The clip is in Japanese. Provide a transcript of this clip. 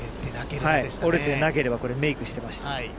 折れてなければこれ、メークしてました。